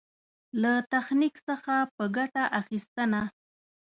له تخنيک څخه په ګټه اخېستنه.